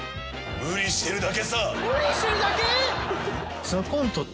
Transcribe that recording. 無理してるだけ？